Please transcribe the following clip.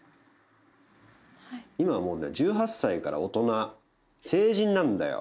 はい今はもうね１８歳から大人成人なんだよ